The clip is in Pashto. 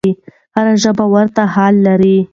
هره ژبه ورته حالت لري.